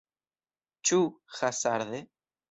Ĉu hazarde?